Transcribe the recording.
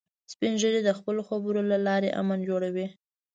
سپین ږیری د خپلو خبرو له لارې امن جوړوي